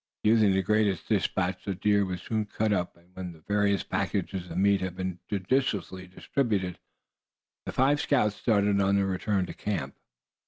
Using the greatest dispatch the deer was soon cut up. And when the various packages of meat had been judiciously distributed, the five scouts started on their return to camp.